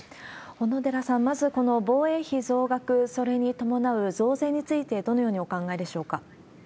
小野寺さん、まずこの防衛費増額、それに伴う増税について、どのようにお考えでしょうか。